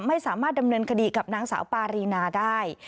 ไม่สามารถดำเนินคดีกับนางสาวปารีนาได้